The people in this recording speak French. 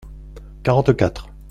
Quarante-quatre.